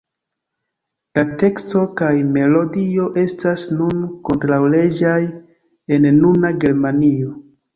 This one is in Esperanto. La teksto kaj melodio estas nun kontraŭleĝaj en nuna Germanio.